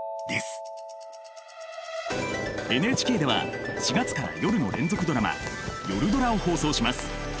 ＮＨＫでは４月から夜の連続ドラマ「夜ドラ」を放送します。